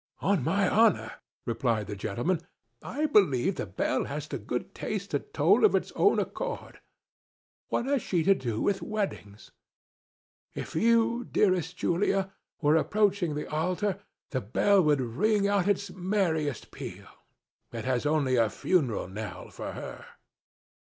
"On my honor," replied the gentleman, "I believe the bell has the good taste to toll of its own accord. What has she to do with weddings? If you, dearest Julia, were approaching the altar, the bell would ring out its merriest peal. It has only a funeral knell for her."